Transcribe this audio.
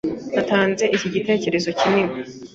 Natanze iki gitekerezo kinini.